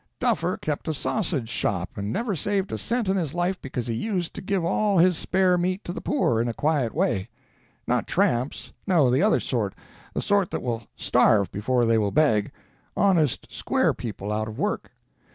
Duffer kept a sausage shop and never saved a cent in his life because he used to give all his spare meat to the poor, in a quiet way. Not tramps,—no, the other sort—the sort that will starve before they will beg—honest square people out of work.